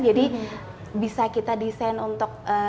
jadi bisa kita desain untuk